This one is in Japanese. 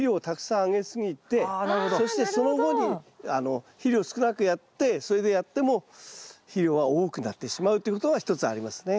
そしてその後に肥料を少なくやってそれでやっても肥料が多くなってしまうということが一つありますね。